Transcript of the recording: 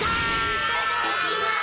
いただきます！